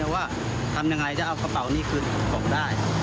ว่าทำยังไงจะเอากระเป๋านี้คืนตกได้